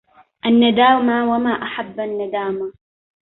الندامى وما أحب الندامى